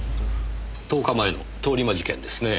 １０日前の通り魔事件ですねぇ。